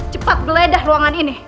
cepat geledah ruangan ini